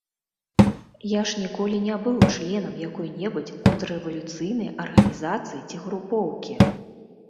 Я ж ніколі не быў членам якой-небудзь контррэвалюцыйнай арганізацыі ці групоўкі!